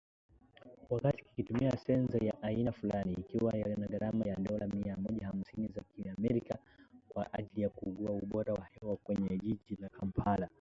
Wakati kikitumia sensa ya aina fulani, ikiwa na gharama ya dola mia moja hamsini za kimerekani kwa ajili ya kukagua ubora wa hewa kwenye jiji la Kampala.